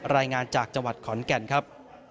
รายงานจากจังหวัดขอนแก่นครับ